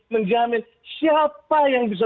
menjamin siapa yang bisa